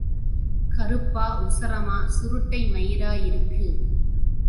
கறுப்பா உசரமா சுருட்டை மயிரா இருக்கு.